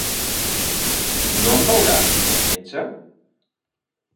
No em veurà un metge?